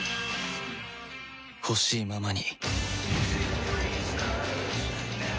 ほしいままに